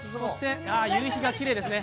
夕日がきれいですね。